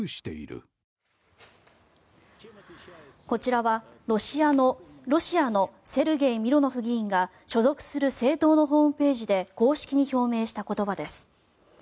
こちらは、ロシアのセルゲイ・ミロノフ議員が所属する政党のホームページで公式に表明した言葉です。